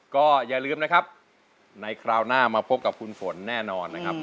ก็อย่าลืมนะครับในคราวหน้ามาพบกับคุณฝนแน่นอนนะครับ